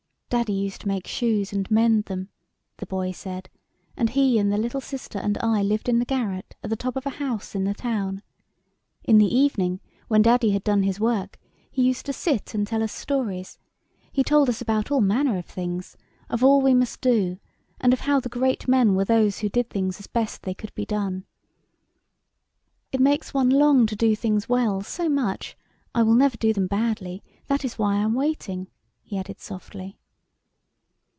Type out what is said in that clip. " Daddy used to make shoes and mend them," the boy said ;" and he and the little sister and I lived in the garret at the top of a house in the town. In the evening, when Daddy had done his work, he used to sit and tell us stories : he told us about all manner of things, of all we must do, and of how the great men were those who did things as best they could be done. It makes one long to do things well so much; I will never do them badly, that is why I am waiting," he added softly.